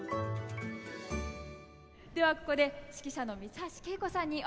ではここで指揮者の三ツ橋敬子さんにお話を伺いましょう。